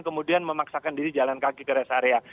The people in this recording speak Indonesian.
kemudian memaksakan diri jalan kaki ke rest area